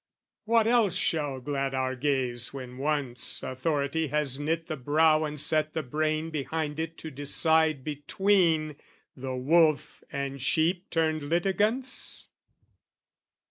What else shall glad our gaze When once authority has knit the brow And set the brain behind it to decide Between the wolf and sheep turned litigants?